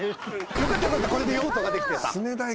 よかったよかったこれで用途ができてさ。